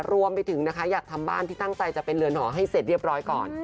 รวมไปถึงนะคะอยากทำบ้านที่ตั้งใจจะเป็นเรือนหอให้เสร็จเรียบร้อยก่อน